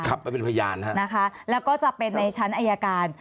กลับมาเป็นพยานนะคะแล้วก็จะในชั้นราชงาน